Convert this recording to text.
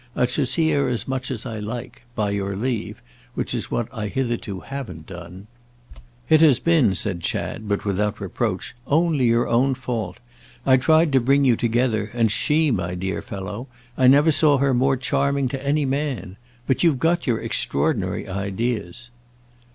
I shall see her as much as I like—by your leave; which is what I hitherto haven't done." "It has been," said Chad, but without reproach, "only your own fault. I tried to bring you together, and she, my dear fellow—I never saw her more charming to any man. But you've got your extraordinary ideas."